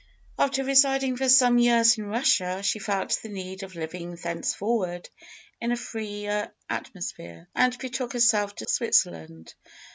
After residing for some years in Russia, she felt the need of living thenceforward in a freer atmosphere, and betook herself to Switzerland.